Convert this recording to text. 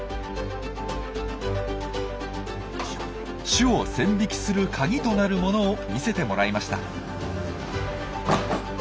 種を線引きするカギとなるものを見せてもらいました。